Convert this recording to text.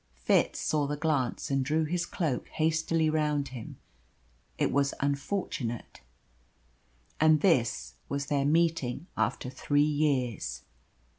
Fitz saw the glance and drew his cloak hastily round him. It was unfortunate. And this was their meeting after three years.